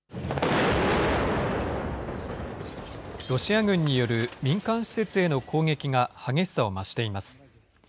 ロシア軍による民間施設への攻撃が激しさを増しています。